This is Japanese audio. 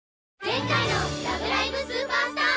前回の「ラブライブ！スーパースター！！